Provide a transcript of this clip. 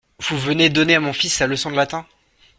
Vous venez donner à mon fils sa leçon de latin ?